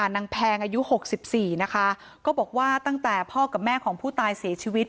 แพงอายุ๖๔นะคะก็บอกว่าตั้งแต่พ่อกับแม่ของผู้ตายเสียชีวิต